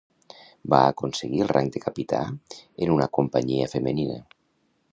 Va aconseguir el rang de capità en una companyia femenina.